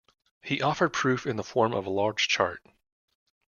He offered proof in the form of a large chart.